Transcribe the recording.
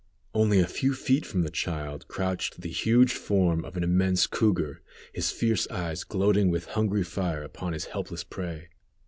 Only a few feet from the child crouched the huge form of an immense cougar, his fierce eyes gloating with hungry fire upon his helpless prey.